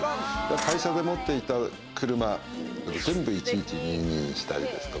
会社で持っていた車、全部１１２２でしたりですとか。